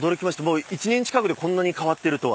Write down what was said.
もう１年近くでこんなに変わっているとは。